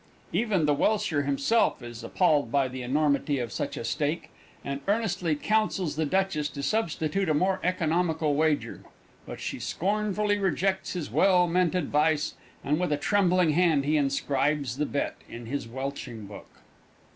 Even the welsher himself is appalled by the enormity of such a stake and earnestly counsels the Duchess to substitute a more economical wager, but she scornfully rejects his well meant advice, and with a trembling hand he inscribes the bet in his welching book.